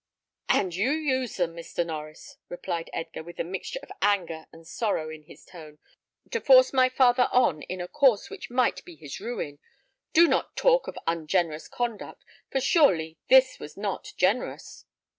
"And you used them, Mr. Norries," replied Edgar, with a mixture of anger and sorrow in his tone, "to force my father on in a course which might be his ruin. Do not talk of ungenerous conduct, for surely this was not generous."